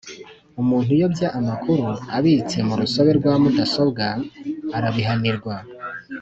Umuntu uyobya amakuru abitse mu rusobe rwa mudasobwa arabihanirwa